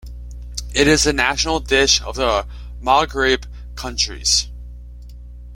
It is the national dish of the Maghreb countries.